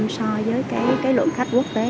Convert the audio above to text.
so với cái lượng khách quốc tế